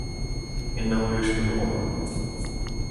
إنه يشبه أمه.